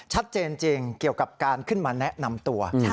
ชัดเจนจริงเกี่ยวกับการขึ้นมาแนะนำตัว